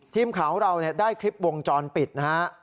ทีมข่าวเราได้คลิปวงจรปิดนะครับ